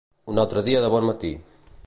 Un altre dia de bon matí.